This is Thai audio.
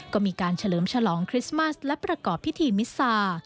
ก็มีการเฉลิมฉลองคริสต์มัสและประกอบพิธีมิซา